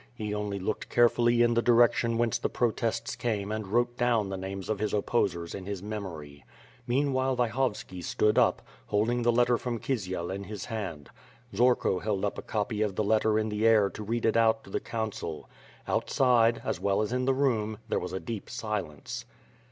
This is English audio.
He only looked carefully in the direction whence the protests came and wrote down the names of his opposers in his memory. Meanwhile, Vyhovski stood up, holding the letter from Kisiel in his hand. Zorko held up a copy of the letter in the air to read it out to the council. Outside, as well as in the room, there was a deep silence.